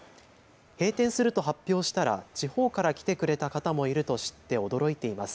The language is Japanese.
閉店すると発表したら地方から来てくれた方もいると知って驚いています。